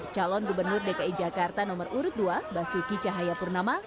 calon gubernur dki jakarta nomor urut dua basuki cahayapurnama